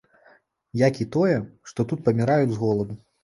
Як і тое, што тут паміраюць з голаду.